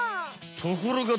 ところが